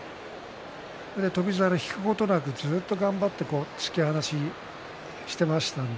翔猿、引くことなくずっと頑張って突き放ししていましたし。